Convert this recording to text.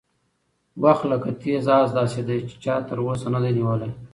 وخت لکه تېز اس داسې دی چې چا تر اوسه نه دی نیولی.